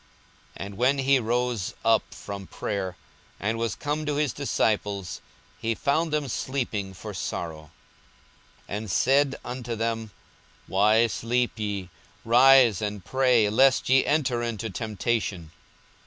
42:022:045 And when he rose up from prayer, and was come to his disciples, he found them sleeping for sorrow, 42:022:046 And said unto them, Why sleep ye? rise and pray, lest ye enter into temptation.